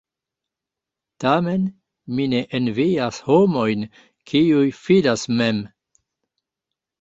Tamen mi ne envias homojn, kiuj fidas mem.